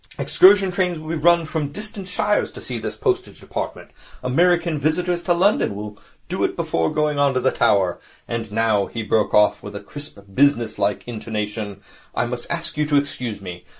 Excursion trains will be run from distant shires to see this Postage Department. American visitors to London will do it before going on to the Tower. And now,' he broke off, with a crisp, businesslike intonation, 'I must ask you to excuse me.